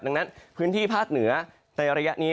ดังนั้นพื้นที่ภาคเหนือในระยะนี้